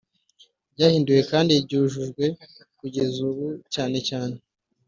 ryahinduwe kandi ryujujwe kugezaubu cyanecyane